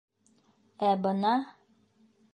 Ә бына...